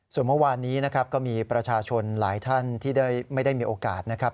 ส่วนเมื่อวานนี้นะครับก็มีประชาชนหลายท่านที่ไม่ได้มีโอกาสนะครับ